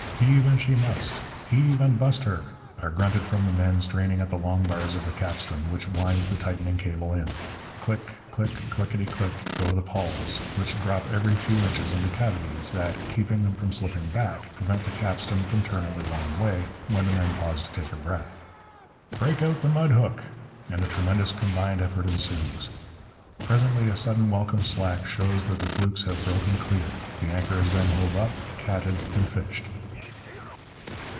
'Heave and she must!' 'Heave and bust her!' are grunted from the men straining at the longbars of the capstan, which winds the tightening cable in. 'Click, click, clickety, click' go the pawls, which drop every few inches into cavities that, keeping them from slipping back, prevent the capstan from turning the wrong way when the men pause to take breath. 'Break out the mud hook!' and a tremendous combined effort ensues. Presently a sudden welcome slack shows that the flukes have broken clear. The anchor is then hove up, catted, and fished.